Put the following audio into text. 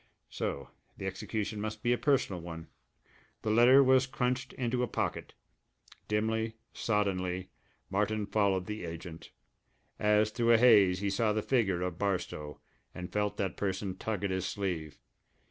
So the execution must be a personal one! The letter was crunched into a pocket. Dimly, soddenly, Martin followed the agent. As through a haze he saw the figure of Barstow, and felt that person tug at his sleeve.